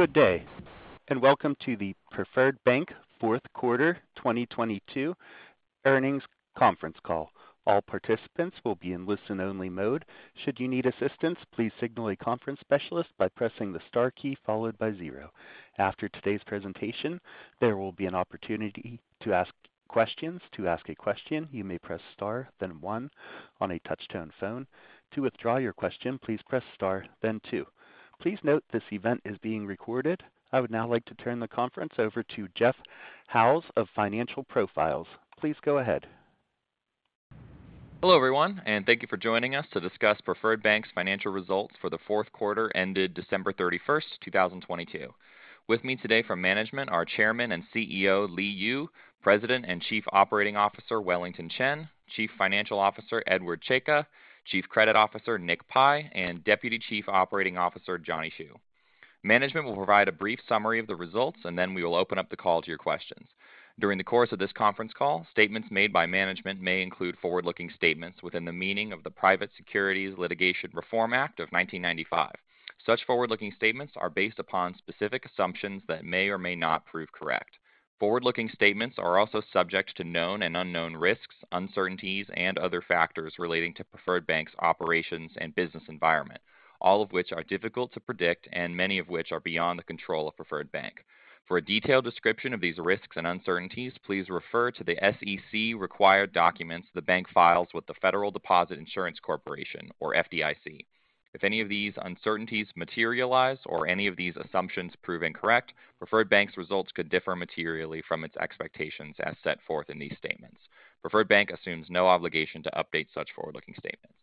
Good day, and welcome to the Preferred Bank Fourth Quarter 2022 Earnings Conference Call. All participants will be in listen-only mode. Should you need assistance, please signal a conference specialist by pressing the star key followed by zero. After today's presentation, there will be an opportunity to ask questions. To ask a question, you may press star then one on a touch-tone phone. To withdraw your question, please press star then two. Please note this event is being recorded. I would now like to turn the conference over to Jeffrey Haas of Financial Profiles. Please go ahead. Hello, everyone, and thank you for joining us to discuss Preferred Bank's financial results for the fourth quarter ended December 31st, 2022. With me today from management are Chairman and CEO, Li Yu, President and Chief Operating Officer, Wellington Chen, Chief Financial Officer, Edward Czajka, Chief Credit Officer, Nick Pi, and Deputy Chief Operating Officer, Johnny Hsu. Management will provide a brief summary of the results, and then we will open up the call to your questions. During the course of this conference call, statements made by management may include forward-looking statements within the meaning of the Private Securities Litigation Reform Act of 1995. Such forward-looking statements are based upon specific assumptions that may or may not prove correct. Forward-looking statements are also subject to known and unknown risks, uncertainties, and other factors relating to Preferred Bank's operations and business environment, all of which are difficult to predict and many of which are beyond the control of Preferred Bank. For a detailed description of these risks and uncertainties, please refer to the SEC required documents the bank files with the Federal Deposit Insurance Corporation or FDIC. If any of these uncertainties materialize or any of these assumptions prove incorrect, Preferred Bank's results could differ materially from its expectations as set forth in these statements. Preferred Bank assumes no obligation to update such forward-looking statements.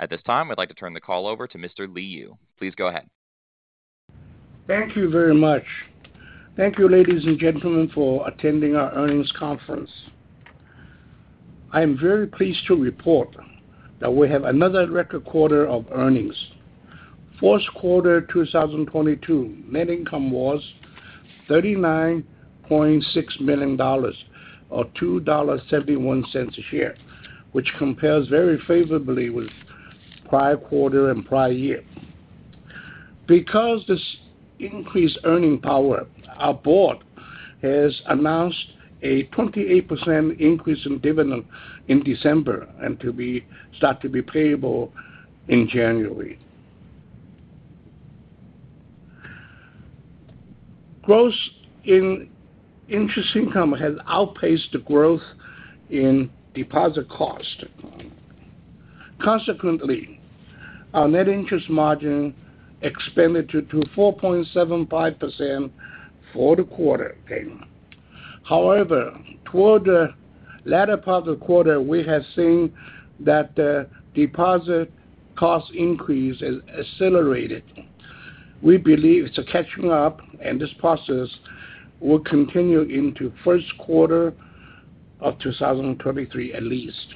At this time, I'd like to turn the call over to Mr. Li Yu. Please go ahead. Thank you very much. Thank you, ladies and gentlemen, for attending our earnings conference. I am very pleased to report that we have another record quarter of earnings. Fourth quarter 2022 net income was $39.6 million or $2.71 a share, which compares very favorably with prior quarter and prior year. This increased earning power, our board has announced a 28% increase in dividend in December and start to be payable in January. Growth in interest income has outpaced the growth in deposit cost. Our net interest margin expanded to 4.75% for the quarter came. Toward the latter part of the quarter, we have seen that the deposit cost increase has accelerated. We believe it's catching up and this process will continue into first quarter of 2023 at least.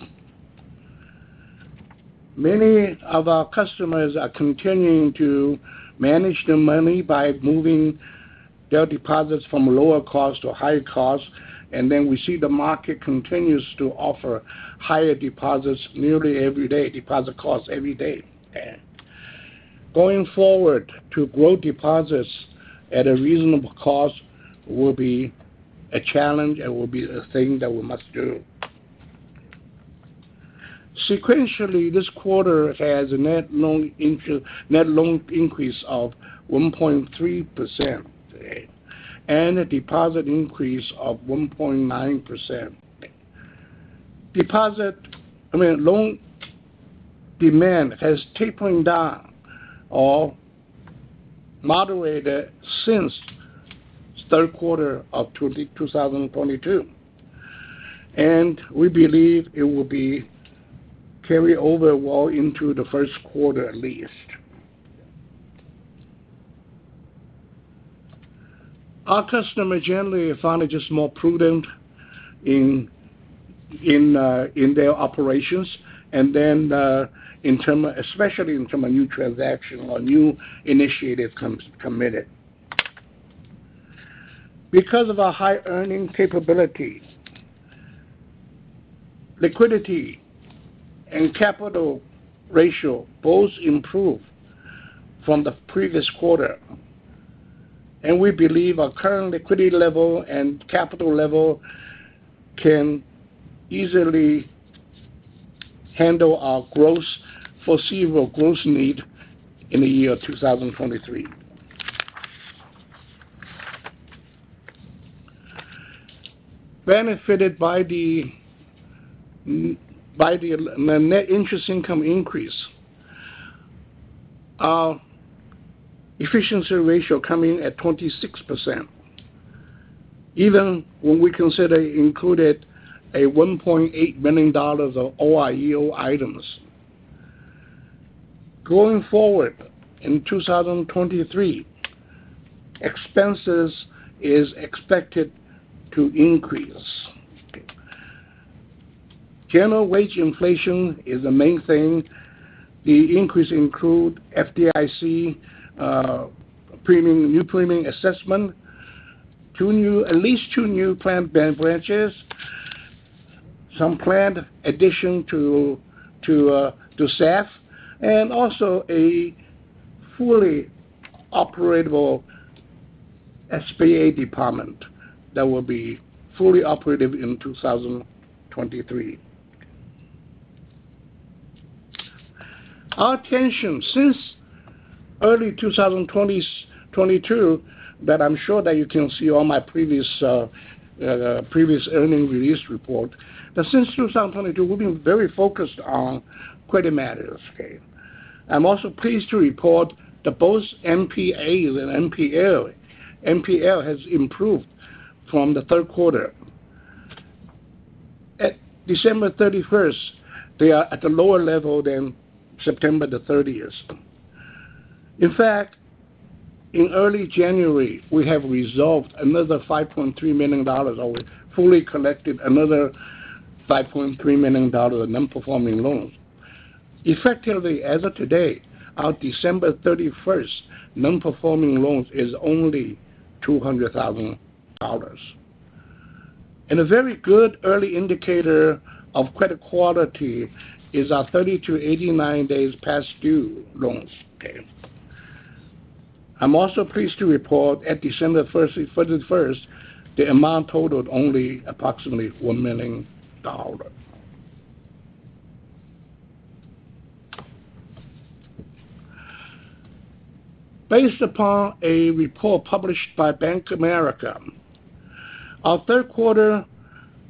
Many of our customers are continuing to manage their money by moving their deposits from lower cost to higher cost. We see the market continues to offer higher deposits nearly every day, deposit costs every day. Going forward, to grow deposits at a reasonable cost will be a challenge and will be a thing that we must do. Sequentially, this quarter has a net loan increase of 1.3%, and a deposit increase of 1.9%. I mean, loan demand has tapering down or moderated since third quarter of 2022. We believe it will be carry over well into the first quarter at least. Our customer generally are finally just more prudent in their operations, especially in term of new transaction or new initiative committed. Because of our high earning capability, liquidity and capital ratio both improved from the previous quarter, and we believe our current liquidity level and capital level can easily handle our growth, foreseeable growth need in the year 2023. Benefited by the net interest income increase, our efficiency ratio come in at 26%, even when we consider included a $1.8 million of OREO items. Going forward, in 2023, expenses is expected to increase. General wage inflation is the main thing. The increase include FDIC premium, new premium assessment, at least two new planned branches. Some planned addition to staff and also a fully operative SBA department that will be fully operative in 2023. Our attention since early 2022, that I'm sure that you can see on my previous earnings release report. Since 2022, we've been very focused on credit matters, okay? I'm also pleased to report that both MPAs and MPL has improved from the third quarter. At December 31st, they are at a lower level than September 30th. In fact, in early January, we have resolved another $5.3 million or fully collected another $5.3 million of non-performing loans. Effectively, as of today, our December 31st non-performing loans is only $200,000. A very good early indicator of credit quality is our 30 to 89 days past due loans, okay? I'm also pleased to report at December 31st, the amount totaled only approximately $1 million. Based upon a report published by Bank of America, our third quarter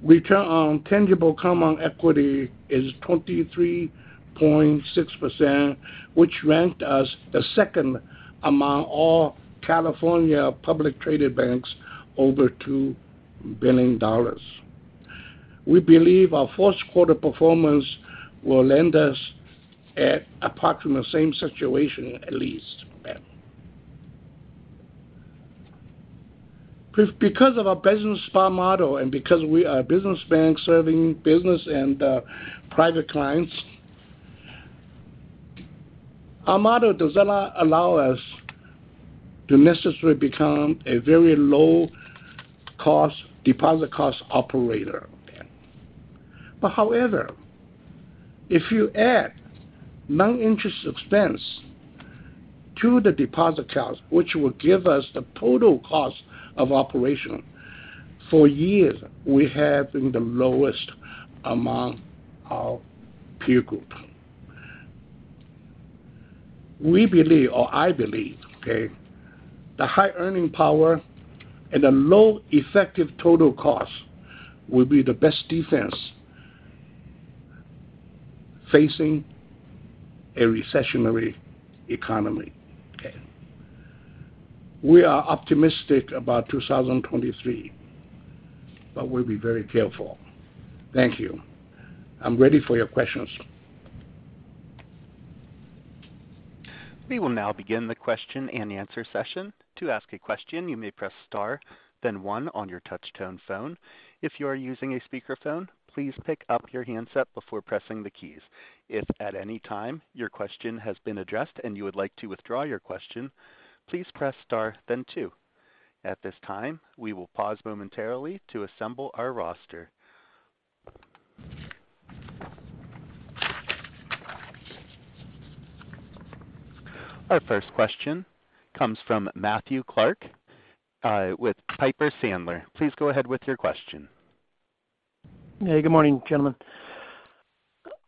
return on tangible common equity is 23.6%, which ranked us the second among all California public traded banks over $2 billion. We believe our fourth quarter performance will land us at approximately the same situation, at least. Because of our business SBA model and because we are a business bank serving business and private clients, our model does not allow us to necessarily become a very low cost, deposit cost operator. However, if you add non-interest expense to the deposit cost, which will give us the total cost of operation, for years, we have been the lowest among our peer group. We believe or I believe, okay, the high earning power and the low effective total cost will be the best defense facing a recessionary economy. We are optimistic about 2023, but we'll be very careful. Thank you. I'm ready for your questions. We will now begin the question and answer session. To ask a question, you may press Star then one on your touch tone phone. If you are using a speaker phone, please pick up your handset before pressing the keys. If at any time your question has been addressed and you would like to withdraw your question, please press Star, then two. At this time, we will pause momentarily to assemble our roster. Our first question comes from Matthew Clark with Piper Sandler. Please go ahead with your question. Good morning, gentlemen.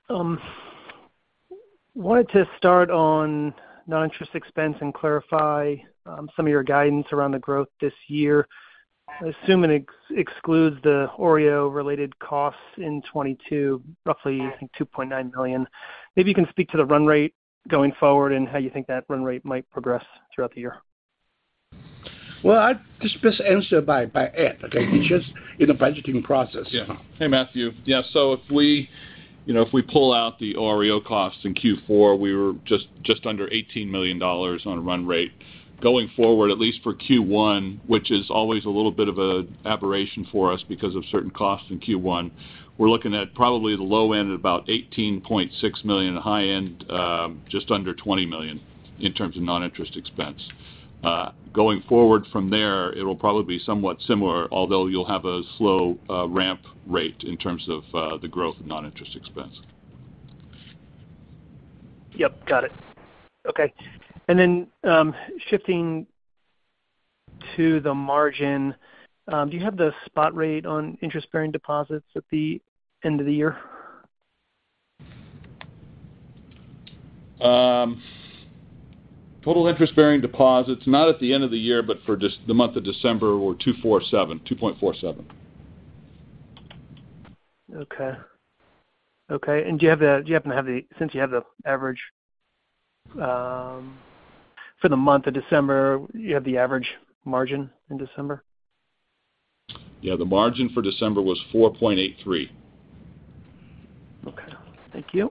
Wanted to start on non-interest expense and clarify some of your guidance around the growth this year. I assume it excludes the OREO related costs in 2022, roughly, I think $2.9 million. Maybe you can speak to the run rate going forward and how you think that run rate might progress throughout the year. Well, I just best answer by Ed, okay? He's just in the budgeting process. Hey, Matthew. If we, you know, if we pull out the OREO costs in Q4, we were just under $18 million on a run rate. Going forward, at least for Q1, which is always a little bit of a aberration for us because of certain costs in Q1. We're looking at probably the low end, about $18.6 million, high end, just under $20 million in terms of non-interest expense. Going forward from there, it'll probably be somewhat similar, although you'll have a slow ramp rate in terms of the growth of non-interest expense. Yep, got it. Okay. Shifting to the margin, do you have the spot rate on interest-bearing deposits at the end of the year? Total interest-bearing deposits, not at the end of the year, but for just the month of December were $2.47. Okay. Okay. Do you happen to have the since you have the average for the month of December, you have the average margin in December? Yeah, the margin for December was 4.83%. Okay, thank you.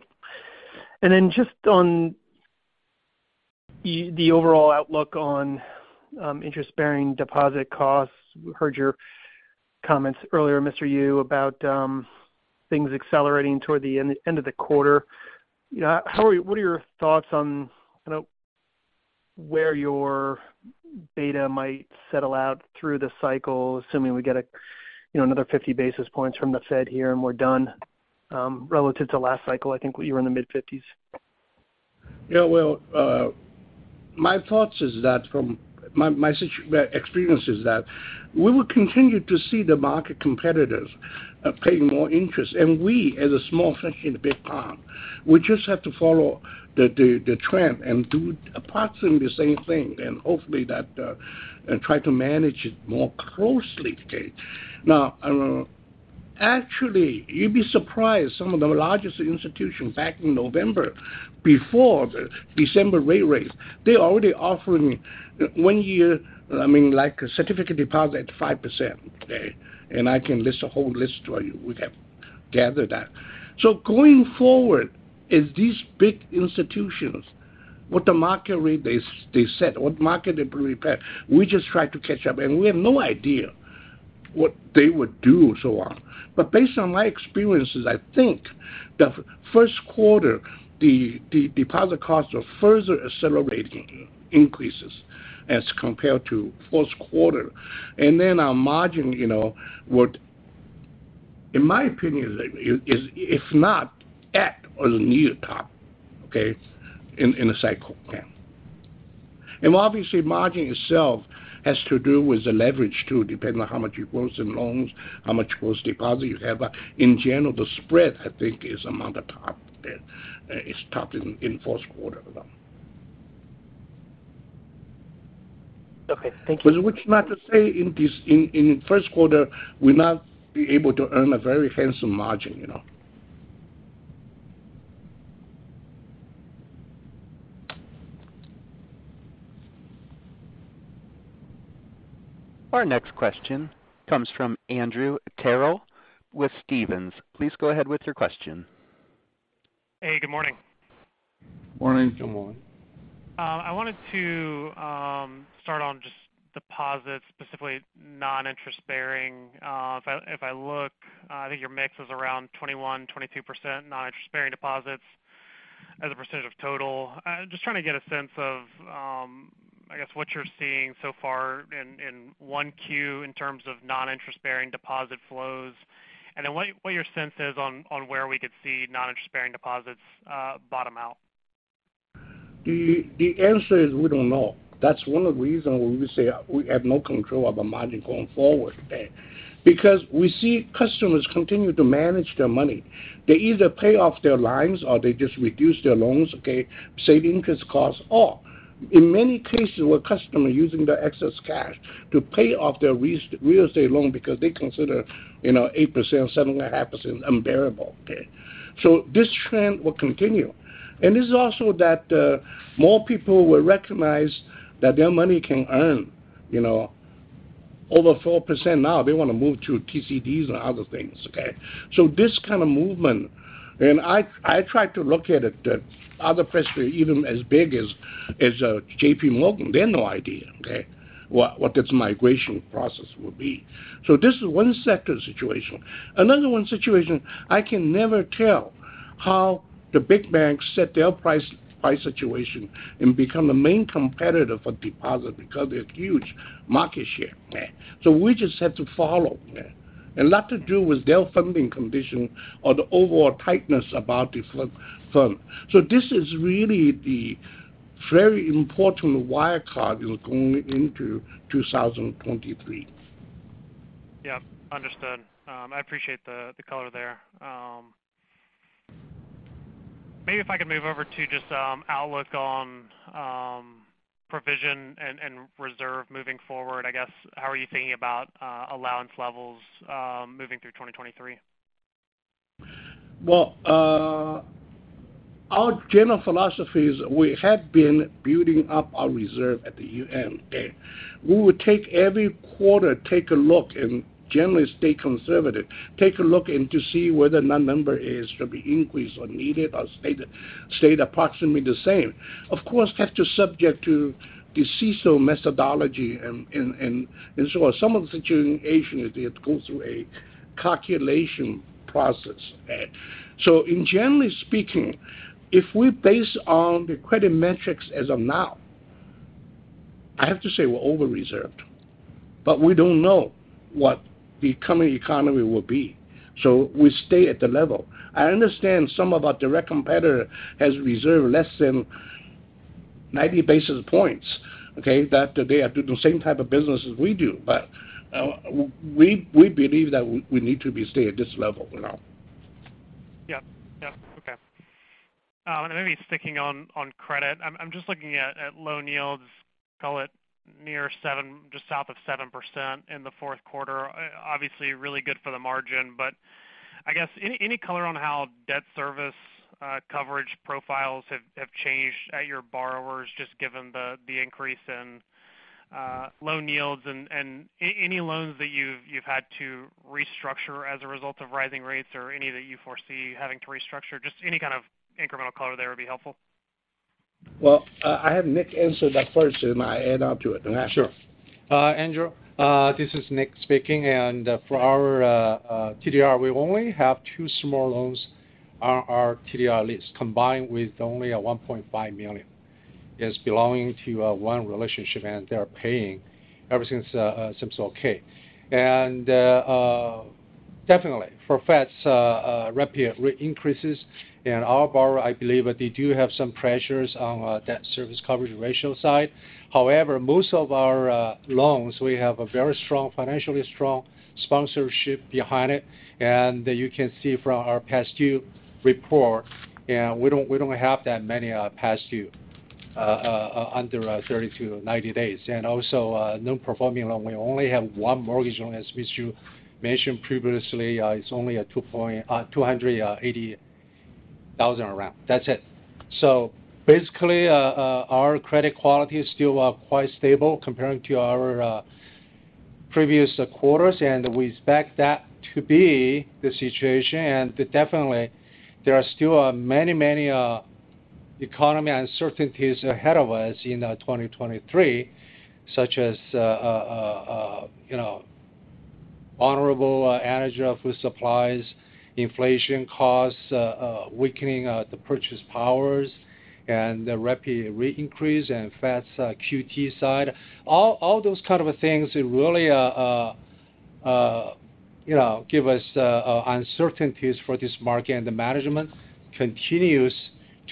Just on the overall outlook on interest-bearing deposit costs. We heard your comments earlier, Mr. Yu, about things accelerating toward the end of the quarter. What are your thoughts on, where your beta might settle out through the cycle, assuming we get a, you know, another 50 basis points from the Fed here and we're done, relative to last cycle, I think we were in the mid-fifties? Yeah, well, my thoughts is that experience is that we will continue to see the market competitors paying more interest. We as a small fish in a big pond, we just have to follow the trend and do approximately the same thing and hopefully that try to manage it more closely. Now, actually, you'd be surprised some of the largest institutions back in November before the December rate raise, they already offering one year, I mean, like, certificate deposit 5%. I can list a whole list for you. We have gathered that. Going forward, as these big institutions, what the market rate they set, what market they prepare, we just try to catch up. We have no idea what they would do and so on. Based on my experiences, I think the first quarter, the deposit costs are further accelerating increases as compared to fourth quarter. Then our margin, you know, would, in my opinion, is, if not at or near top, okay, in a cycle. Obviously, margin itself has to do with the leverage too, depending on how much you growth in loans, how much growth deposit you have. In general, the spread, I think, is among the top. It's top in fourth quarter. Okay, thank you. Which not to say in first quarter, we not be able to earn a very handsome margin, you know. Our next question comes from Andrew Terrell with Stephens. Please go ahead with your question. Hey, good morning. Morning. Good morning. I wanted to start on just deposits, specifically non-interest bearing. If I look, I think your mix is around 21%, 22% non-interest bearing deposits as a percentage of total. Just trying to get a sense of, I guess, what you're seeing so far in 1Q in terms of non-interest bearing deposit flows, and then what your sense is on where we could see non-interest bearing deposits, bottom out. The answer is we don't know. That's one of the reason we would say we have no control of the margin going forward. We see customers continue to manage their money. They either pay off their lines or they just reduce their loans, okay, save interest costs, or in many cases, where customer using their excess cash to pay off their real estate loan because they consider, you know, 8%, 7.5% unbearable, okay? This trend will continue. This is also that more people will recognize that their money can earn, you know, over 4% now. They want to move to TCDs or other things, okay? This kind of movement, I try to look at it, the other press release, even as big as JPMorgan, they have no idea, okay, what this migration process will be. This is one sector situation. Another one situation, I can never tell how the big banks set their price situation and become the main competitor for deposit because they have huge market share. We just have to follow. A lot to do with their funding condition or the overall tightness about the firm. This is really the very important wild card going into 2023. Yeah. Understood. I appreciate the color there. Maybe if I could move over to just um outlook on um provision and reserve moving forward, I guess, how are you thinking about uh allowance levels um moving through 2023? Well uhhh our general philosophy is we have been building up our reserve at the bank. We would take every quarter, take a look and generally stay conservative, to see whether that number is to be increased or needed or stayed approximately the same. Has to subject to the CECL methodology and so on. Some of the situation, they have to go through a calculation process. In generally speaking, if we base on the credit metrics as of now, I have to say we're over-reserved, but we don't know what the coming economy will be. We stay at the level. I understand some of our direct competitor has reserved less than 90 basis points. That they have to do the same type of business as we do. We believe that we need to be stay at this level now. Yeah. Yeah. Okay. Maybe sticking on credit. I'm just looking at loan yields, call it near 7%, just south of 7% in the fourth quarter. Obviously, really good for the margin. I guess any color on how debt service coverage profiles have changed at your borrowers, just given the increase in uhh loan yields? Any loans that you've had to restructure as a result of rising rates or any that you foresee having to restructure? Just any kind of incremental color there would be helpful. I have Nick answer that first, and I add on to it. Sure. Andrew, uh this is Nick speaking. For our TDR, we only have two small loans on our TDR list, combined with only a $1.5 million, is belonging to one relationship, and they are paying. Everything is seems okay. And uh definitely for Fed's uh rapid re-increases and our borrower, I believe that they do have some pressures on that service coverage ratio side. However, most of our loans, we have a very financially strong sponsorship behind it and you can see from our past due report, we don't have that many past due uh uh under 30-90 days. Also, non-performing loan, we only have one mortgage loan as Mr. Yu mentioned previously, it's only a $280,000 around. That's it. So basically uh uh our credit quality is still, uh, quite stable comparing to our, uh, previous quarters, and we expect that to be the situation. And definitely, there are still, uh, many, many, uh, economy uncertainties ahead of us in, uh, 2023, such as, uh, uh, you know, honorable energy of food supplies, inflation costs, uh, weakening, uh, the purchase powers and the rapid rate increase and Fed's, uh, QT side. All, all those kind of things really, uh, uh, you know, give us, uh, uncertainties for this market. And the management continues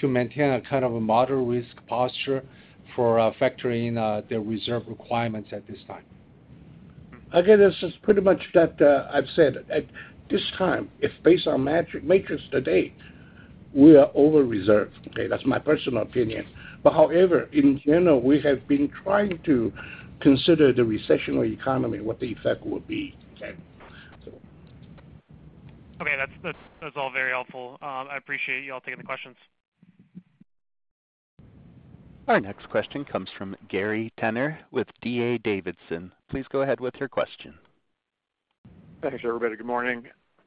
to maintain a kind of a moderate risk posture for, uh, factoring, uh, the reserve requirements at this time. Again, this is pretty much that uh I've said. At this time, if based on metric-matrix to date, we are over-reserved. Okay, that's my personal opinion. But however, in general, we have been trying to consider the recessionary economy, what the effect will be. Okay. Okay. That's all very helpful. I appreciate y'all taking the questions. Our next question comes from Gary Tenner with D.A. Davidson. Please go ahead with your question. Thanks, everybody. Good morning.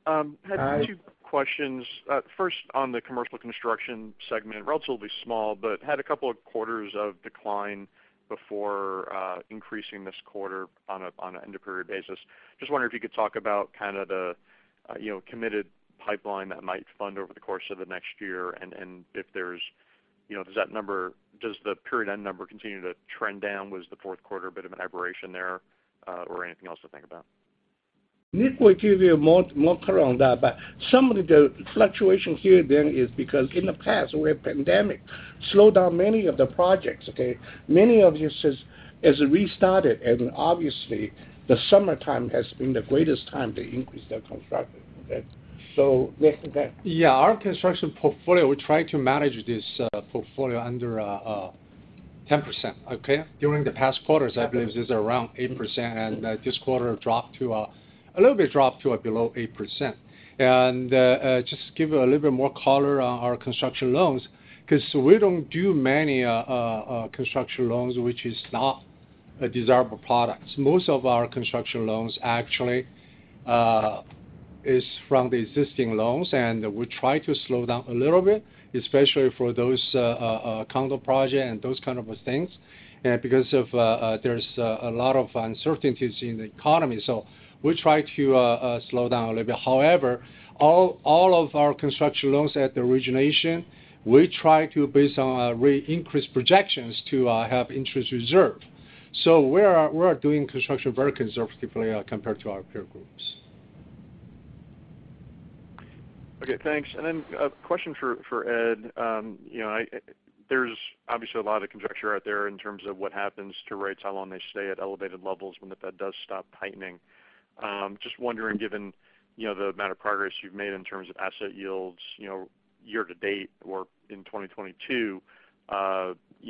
Hi. Had two questions. First on the commercial construction segment, relatively small, but had a couple of quarters of decline before uh increasing this quarter on an end of period basis. Just wondering if you could talk about kind of the, you know, committed pipeline that might fund over the course of the next year and if there's, you know, does the period-end number continue to trend down? Was the fourth quarter a bit of an aberration there, or anything else to think about? Nick will give you more color on that. Some of the fluctuation here then is because in the past, we had pandemic slowed down many of the projects, okay? Many of these is restarted, and obviously, the summertime has been the greatest time to increase the construction. Okay. Nick with that. Our construction portfolio, we try to manage this portfolio under uh 10%. During the past quarters, I believe this is around 8%, and this quarter dropped a little bit to below 8%. Just give a little bit more color on our construction loans, 'cause we don't do many uh uh construction loans, which is not a desirable product. Most of our construction loans actually uh is from the existing loans, and we try to slow down a little bit, especially for those uh condo project and those kind of things, because of uh there's a lot of uh uncertainties in the economy. We try to uh slow down a little bit. all of our construction loans at the origination, we try to based on, increase projections to, have interest reserve. We are doing construction very conservatively, compared to our peer groups. Okay, thanks. Then a question for Ed. You know, there's obviously a lot of conjecture out there in terms of what happens to rates, how long they stay at elevated levels when the Fed does stop tightening. Just wondering, given, you know, the amount of progress you've made in terms of asset yields, you know, year to date or in 2022, you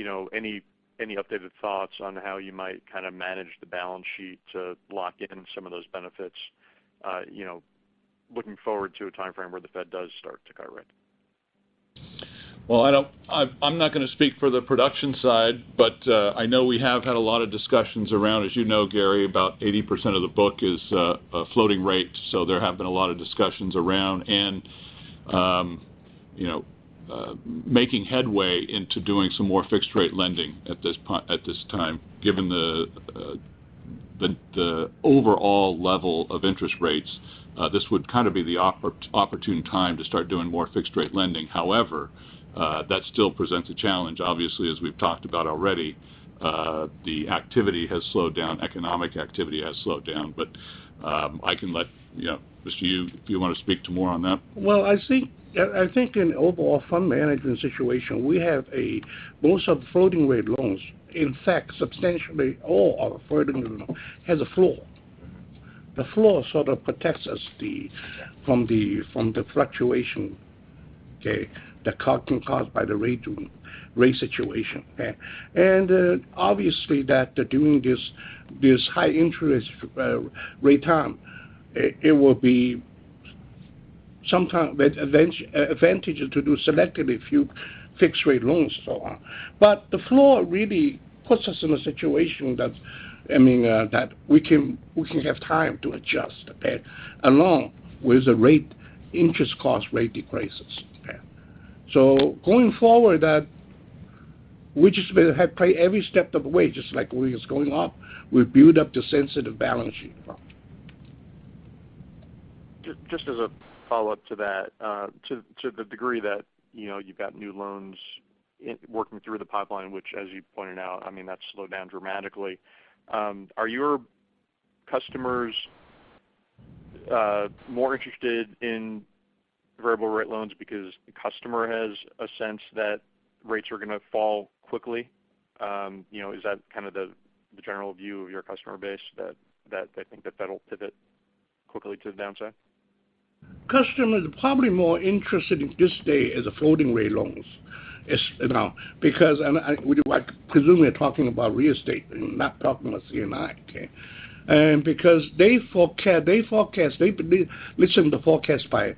know, any updated thoughts on how you might kind of manage the balance sheet to lock in some of those benefits, you know, looking forward to a timeframe where the Fed does start to cut rate? I'm not gonna speak for the production side, but, I know we have had a lot of discussions around, as you know, Gary, about 80% of the book is a floating rate. There have been a lot of discussions around and, you know, making headway into doing some more fixed rate lending at this time, given the overall level of interest rates, this would kind of be the opportunity time to start doing more fixed rate lending. That still presents a challenge. Obviously, as we've talked about already, the activity has slowed down, economic activity has slowed down. I can let, you know, Mr. Yu, do you wanna speak to more on that? Well, I think in overall fund management situation, we have a most of floating rate loans. In fact, substantially all our floating rate loan has a floor. The floor sort of protects us from the fluctuation, okay, that can caused by the rate situation. Obviously that during this high interest rate time, it will be sometime advantage to do selectively few fixed rate loans, so on. The floor really puts us in a situation that, I mean, that we can have time to adjust, okay, along with the interest cost rate decreases. Going forward that we just have played every step of the way, just like when it's going up, we build up the sensitive balance sheet. Just as a follow-up to that, to the degree that, you know, you've got new loans in, working through the pipeline, which as you pointed out, I mean, that's slowed down dramatically, are your customers more interested in variable rate loans because the customer has a sense that rates are gonna fall quickly? You know, is that kind of the general view of your customer base that they think that that'll pivot quickly to the downside? Customers are probably more interested in this day as a floating rate loans, you know. We do like, presumably are talking about real estate, we're not talking about C&I, okay? They forecast, they listen to forecast by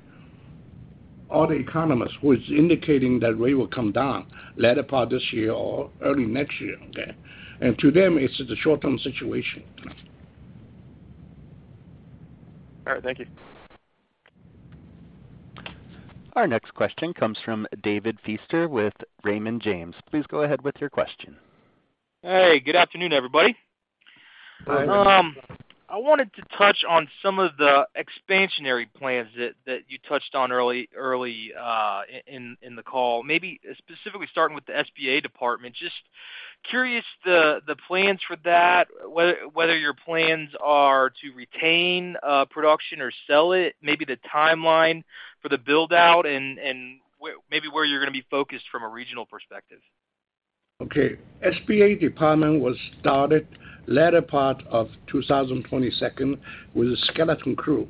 all the economists who is indicating that rate will come down latter part this year or early next year, okay? To them, it's just a short-term situation. All right. Thank you. Our next question comes from David Feaster with Raymond James. Please go ahead with your question. Hey, good afternoon, everybody. Hi. I wanted to touch on some of the expansionary plans that you touched on early, in the call. Maybe specifically starting with the SBA department. Just curious the plans for that, whether your plans are to retain production or sell it, maybe the timeline for the build-out and maybe where you're gonna be focused from a regional perspective. SBA department was started latter part of 2022 with a skeleton crew.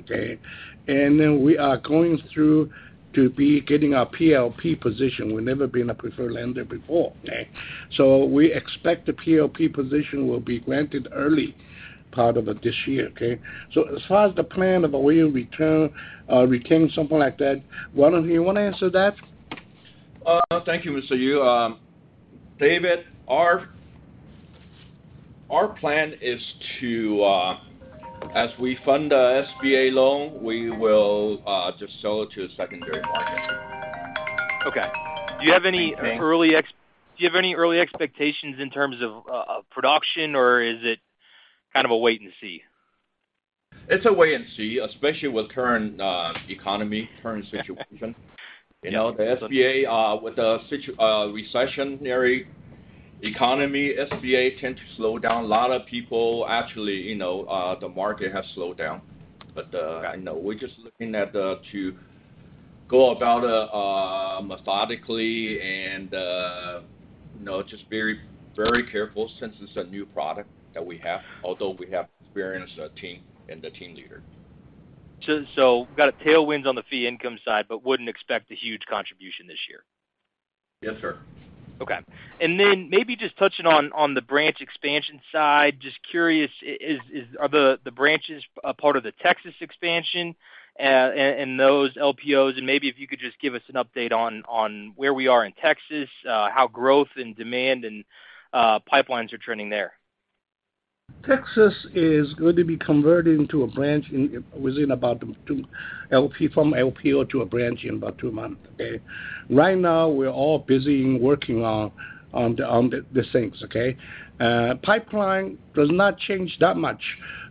We are going through to be getting our PLP position. We've never been a preferred lender before. We expect the PLP position will be granted early part of this year. As far as the plan of a way return, retain something like that, Ronald, you wanna answer that? thank you, Mr. Yu. David, our plan is to, as we fund the SBA loan, we will, just sell it to a secondary market. Okay. Do you have any early expectations in terms of production, or is it kind and see? It's a wait and see, especially with current economy, current situation. You know, the SBA, with the recessionary economy, SBA tends to slow down. A lot of people actually, you know, the market has slowed down. But, Okay. I know. We're just looking at to go about methodically and, you know, just very, very careful since it's a new product that we have, although we have experienced team and the team leader. Got a tailwind on the fee income side, but wouldn't expect a huge contribution this year. Yes, sir. Okay. Then maybe just touching on the branch expansion side. Just curious, are the branches a part of the Texas expansion, and those LPOs? Maybe if you could just give us an update on where we are in Texas, how growth and demand and, pipelines are trending there. Texas is going to be converted into a branch from LPO to a branch in about 2 months, okay? Right now, we're all busy in working on the, this things, okay? Pipeline does not change that much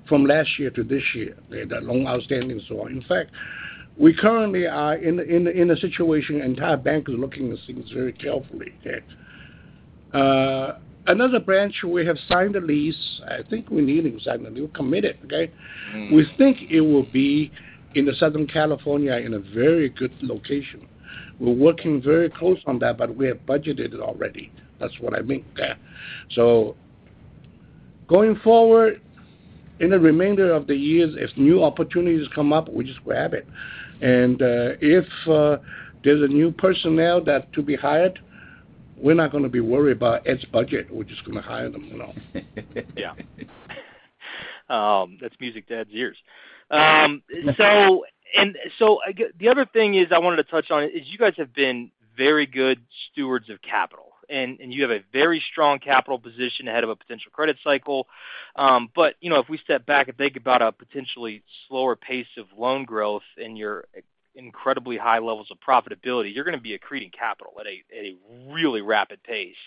from last year to this year, the loan outstanding and so on. In fact, we currently are in a situation, the entire bank is looking at things very carefully. Another branch we have signed a lease. I think we need to sign a new committed, okay? Mm-hmm. We think it will be in the Southern California in a very good location. We're working very close on that. We have budgeted already. That's what I mean. Yeah. Going forward, in the remainder of the years, if new opportunities come up, we just grab it. If there's a new personnel that to be hired, we're not gonna be worried about its budget. We're just gonna hire them, you know. Yeah. That's music to Ed's ears. I guess the other thing is I wanted to touch on is you guys have been very good stewards of capital, and you have a very strong capital position ahead of a potential credit cycle. You know, if we step back and think about a potentially slower pace of loan growth and your incredibly high levels of profitability, you're gonna be accreting capital at a really rapid pace.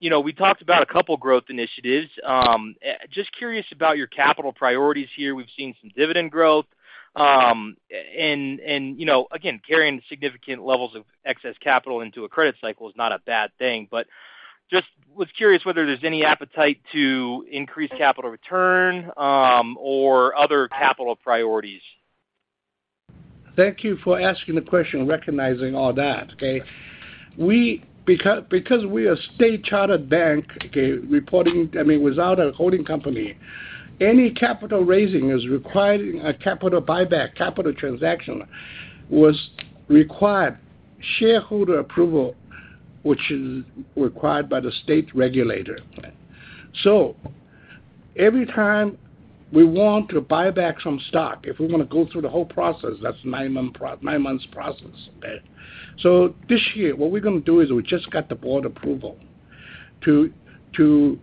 You know, we talked about a couple growth initiatives. Just curious about your capital priorities here. We've seen some dividend growth. You know, again, carrying significant levels of excess capital into a credit cycle is not a bad thing, but just was curious whether there's any appetite to increase capital return or other capital priorities. Thank you for asking the question, recognizing all that, okay? Because we are state-chartered bank, okay, reporting, I mean, without a holding company, any capital raising is requiring a capital buyback, capital transaction was required shareholder approval, which is required by the state regulator. Every time we want to buy back some stock, if we wanna go through the whole process, that's nine months process. This year, what we're gonna do is we just got the board approval to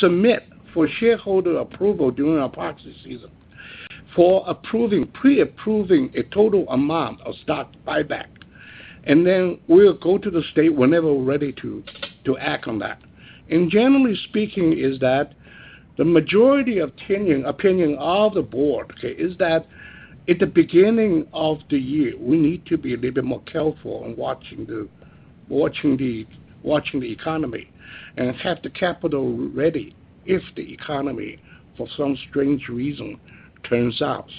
submit for shareholder approval during our proxy season for pre-approving a total amount of stock buyback. We'll go to the state whenever we're ready to act on that. Generally speaking is that the majority opinion of the board that at the beginning of the year, we need to be a little bit more careful in watching the economy and have the capital ready if the economy, for some strange reason, turns out.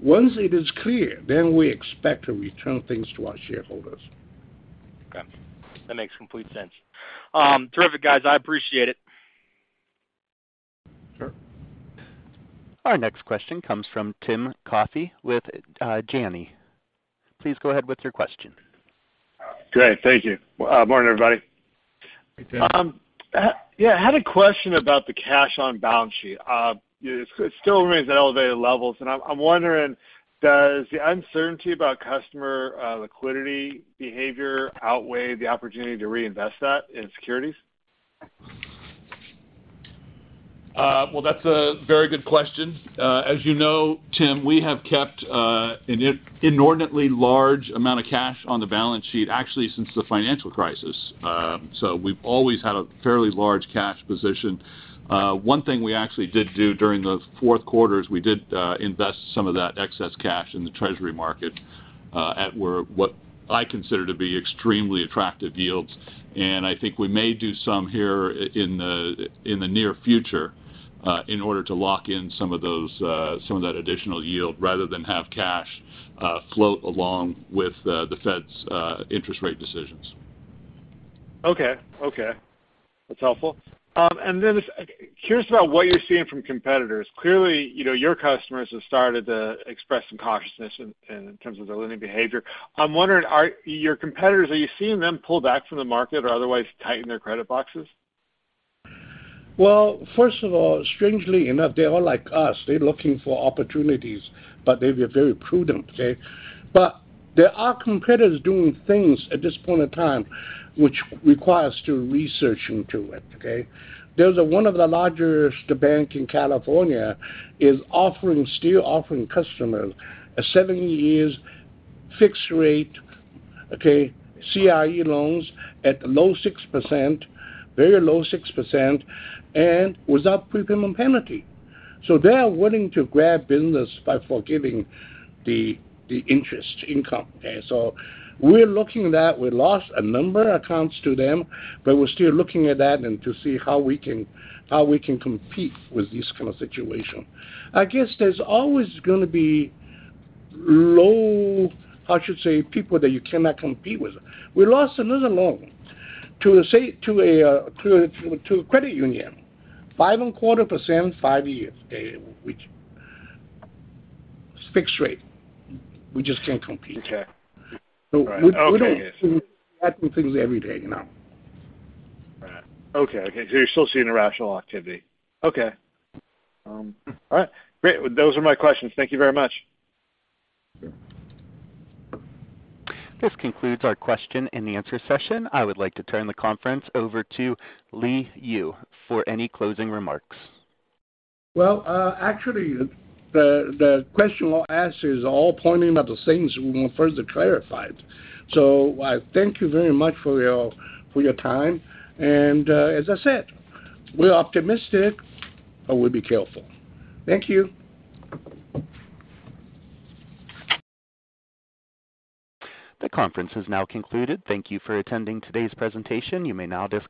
Once it is clear, then we expect to return things to our shareholders. Okay. That makes complete sense. Terrific, guys. I appreciate it. Sure. Our next question comes from Tim Coffey with Janney. Please go ahead with your question. Great. Thank you. Morning, everybody. Hey, Tim. Yeah, I had a question about the cash on balance sheet. It still remains at elevated levels, and I'm wondering, does the uncertainty about customer liquidity behavior outweigh the opportunity to reinvest that in securities? Well, that's a very good question. As you know, Tim, we have kept an inordinately large amount of cash on the balance sheet actually since the financial crisis. We've always had a fairly large cash position. One thing we actually did do during the fourth quarter is we did invest some of that excess cash in the treasury market at where what I consider to be extremely attractive yields. I think we may do some here in the near future in order to lock in some of those, some of that additional yield rather than have cash float along with the Fed's interest rate decisions. Okay. Okay. That's helpful. Just curious about what you're seeing from competitors. Clearly, you know, your customers have started to express some cautiousness in terms of their lending behavior. I'm wondering, are you seeing them pull back from the market or otherwise tighten their credit boxes? First of all, strangely enough, they are like us. They're looking for opportunities, but they be very prudent, okay. There are competitors doing things at this point in time which requires to research into it, okay. There's one of the largest bank in California is still offering customers a seven years fixed rate, okay, C&I loans at low 6%, very low 6%, and without prepayment penalty. They are willing to grab business by forgiving the interest income. We're looking that. We lost a number of accounts to them, but we're still looking at that and to see how we can compete with this kind of situation. I guess there's always gonna be low, how should I say, people that you cannot compete with. We lost another loan to a credit union, 5.25%, five years, okay, which fixed rate. We just can't compete. Okay. All right. Okay, yeah. We don't see that with things every day, you know? Right. Okay. Okay. You're still seeing irrational activity. Okay. All right. Great. Those are my questions. Thank you very much. This concludes our question and answer session. I would like to turn the conference over to Li Yu for any closing remarks. Well uh actually the question asked is all pointing at the things we want further clarified so I thank you very much for your, for your time and uh as I said, we're optimistic and we'll be careful. Thank you. The conference is now concluded. Thank you for attending today's presentation. You may now disconnect.